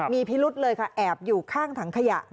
มีพิรุธเลยค่ะแอบอยู่ข้างถังขยะ